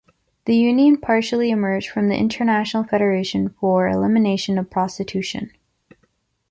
The union partially emerged from the International Federation for Elimination of Prostitution.